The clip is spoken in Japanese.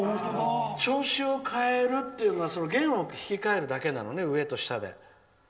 調子を変えるのは弦を弾き替えるだけなのね上と下で。